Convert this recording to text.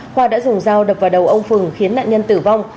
khoa đã dùng dao đập vào đầu ông phừng khiến nạn nhân tử vong